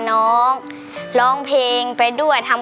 ขาหนูหนีบไว้